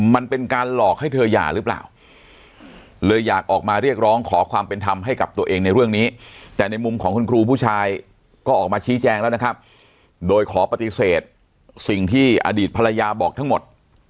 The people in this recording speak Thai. มันเป็นการหลอกให้เธอหย่าหรือเปล่าเลยอยากออกมาเรียกร้องขอความเป็นธรรมให้กับตัวเองในเรื่องนี้แต่ในมุมของคุณครูผู้ชายก็ออกมาชี้แจงแล้วนะครับโดยขอปฏิเสธสิ่งที่อดีตภรรยาบอกทั้งหมด